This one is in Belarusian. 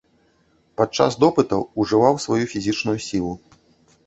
Падчас допытаў ужываў сваю фізічную сілу.